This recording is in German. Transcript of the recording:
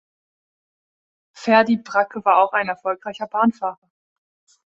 Ferdi Bracke war auch ein erfolgreicher Bahnfahrer.